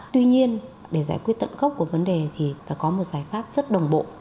tuy nhiên để giải quyết tận gốc của vấn đề thì phải có một giải pháp rất đồng bộ